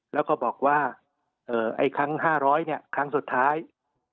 แล้วก็บอกว่าเอ่อไอ้ครั้งห้าร้อยเนี้ยครั้งสุดท้ายอ่า